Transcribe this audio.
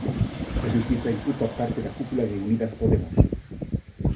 A xustiza imputa parte da cúpula de Unidas Podemos.